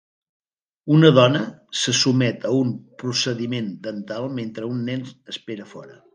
Una dona se sotmet a un procediment dental mentre un nen espera a fora.